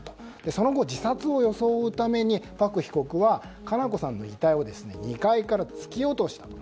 その後、自殺を装うためにパク被告は佳菜子さんの遺体を２階から突き落としたと。